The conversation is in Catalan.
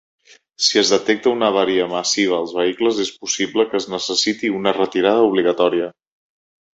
Si es detecta una avaria massiva als vehicles, es possible que es necessiti una retirada obligatòria.